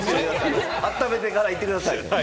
あっためてから行ってください。